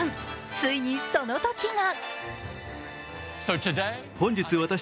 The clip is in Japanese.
ついにその時が。